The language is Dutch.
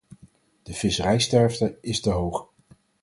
De visserijsterfte is te hoog.